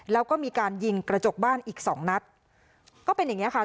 แล้วก็มีการยิงกระจกบ้านอีกสองนัดก็เป็นอย่างเงี้ค่ะ